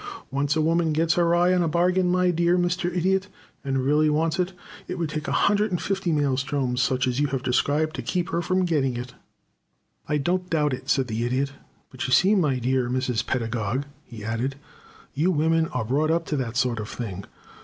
Once a woman gets her eye on a bargain, my dear Mr. Idiot, and really wants it, it would take a hundred and fifty maelstroms such as you have described to keep her from getting it." "I don't doubt it," said the Idiot, "but you see, my dear Mrs. Pedagog," he added, "you women are brought up to that sort of thing.